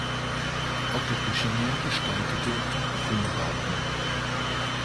Otto Pischinger gestaltete die Filmbauten.